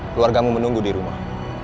keluargamu menunggu di rumah